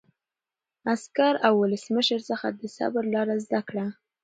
عسکر له ولسمشر څخه د صبر لاره زده کړه.